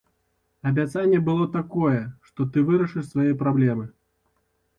Абяцанне было такое, што ты вырашыш свае праблемы.